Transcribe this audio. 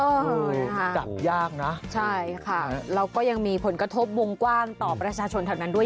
จับยากนะใช่ค่ะแล้วก็ยังมีผลกระทบวงกว้างต่อประชาชนแถวนั้นด้วย